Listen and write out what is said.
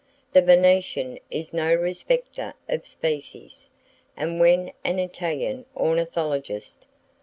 The Venetian is no respecter of species; and when an Italian "ornithologist"